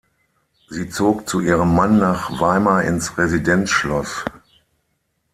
Sie zog zu ihrem Mann nach Weimar ins Residenzschloss.